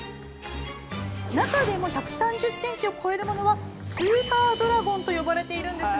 中でも１３０ｃｍを超えるものはスーパードラゴンと呼ばれるそうです。